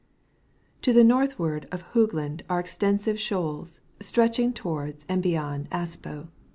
— To the north ward of Hoogland are extensive shoals stretching towards and beyond Aspo.